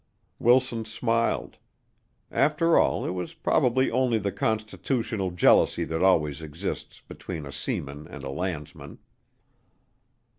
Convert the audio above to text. Wilson smiled. After all, it was probably only the constitutional jealousy that always exists between a seaman and a landsman.